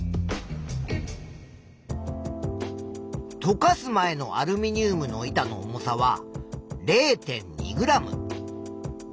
とかす前のアルミニウムの板の重さは０．２ｇ。